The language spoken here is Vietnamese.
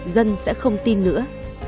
dân sẽ không tin nữa